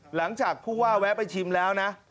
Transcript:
หลังจากผู้ว่าแวะไปชิมแล้วนะ